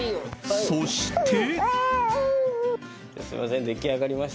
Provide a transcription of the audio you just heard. そして。